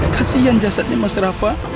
kasian jasadnya mas rafa